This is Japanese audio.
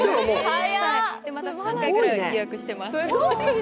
また３回ぐらい予約してます。